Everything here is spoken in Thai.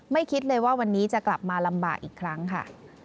คิดเลยว่าวันนี้จะกลับมาลำบากอีกครั้งค่ะ